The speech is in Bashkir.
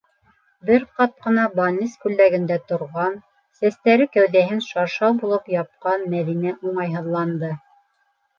Бер ҡат ҡына балнис күлдәгендә торған, сәстәре кәүҙәһен шаршау булып япҡан Мәҙинә уңайһыҙланды.